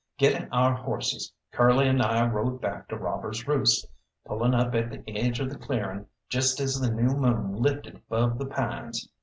Getting our horses, Curly and I rode back to Robbers' Roost, pulling up at the edge of the clearing just as the new moon lifted above the pines.